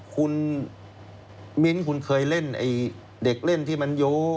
คุณมิ้นคุณเคยเล่นไอ้เด็กเล่นที่มันโย